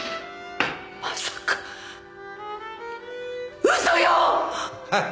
まさか嘘よ！